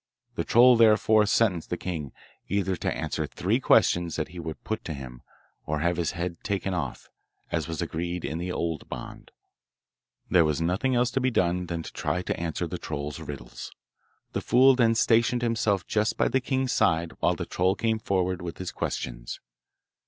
The troll, therefore, sentenced the king, either to answer three questions that he would put to him, or have his head taken off, as was agreed on in the old bond. There was nothing else to be done than to try to answer the troll's riddles. The fool then stationed himself just by the king's side while the troll came forward with his questions.